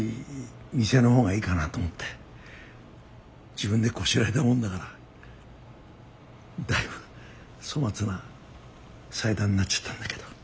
自分でこしらえたもんだからだいぶ粗末な祭壇になっちゃったんだけど。